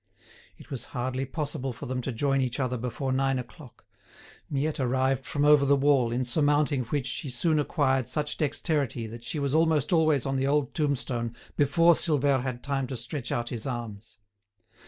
It was hardly possible for them to join each other before nine o'clock. Miette arrived from over the wall, in surmounting which she soon acquired such dexterity that she was almost always on the old tombstone before Silvère had time to stretch out his arms.